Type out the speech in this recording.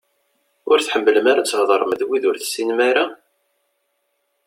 Ur tḥemmlem ara ad theḍṛem d wid ur tessinem ara?